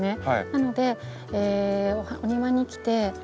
なのでお庭に来てえっ？